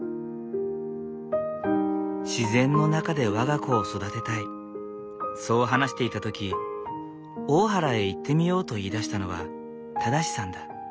自然の中で我が子を育てたいそう話していた時大原へ行ってみようと言いだしたのは正さんだ。